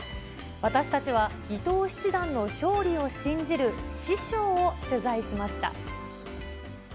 私たちは、伊藤七段の勝利を信じる師匠を取材しました。